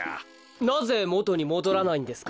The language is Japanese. なぜもとにもどらないんですか？